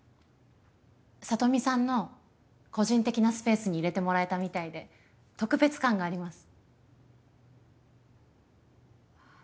サトミさんの個人的なスペースに入れてもらえたみたいで特別感があります。